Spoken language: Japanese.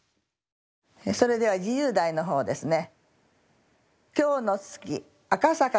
それでは自由題のほうですね。